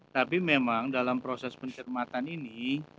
tapi memang dalam proses pencermatan ini